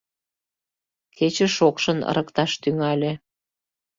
Кече шокшын ырыкташ тӱҥале.